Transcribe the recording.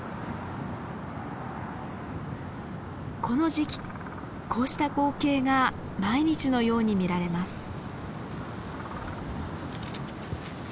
この時期こうした光景が毎日のように見られます。